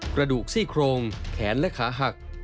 กระดูกซี่โครงแขนและขาหัก